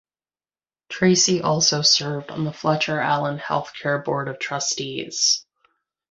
Tracy also served on the Fletcher Allen Health Care board of trustees.